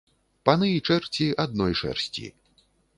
Паны і чэрці адной шэрсці